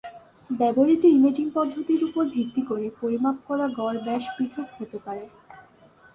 ব্যবহৃত ইমেজিং পদ্ধতির উপর ভিত্তি করে পরিমাপ করা গড় ব্যাস পৃথক হতে পারে।